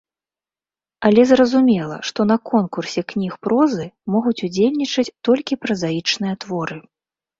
Але зразумела, што на конкурсе кніг прозы могуць удзельнічаць толькі празаічныя творы.